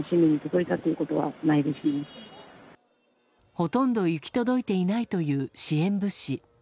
ほとんど行き届いていないという支援物資。